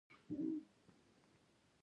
اته څلویښتم سوال د تفتیش په اړه دی.